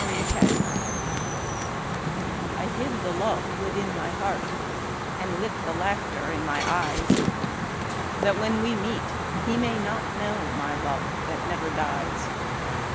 Hidden Love I hid the love within my heart, And lit the laughter in my eyes, That when we meet he may not know My love that never dies.